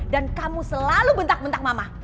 dan kamu selalu bentak bentak mama